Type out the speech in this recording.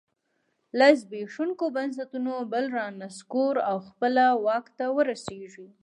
له زبېښونکو بنسټونو بل رانسکور او خپله واک ته ورسېږي.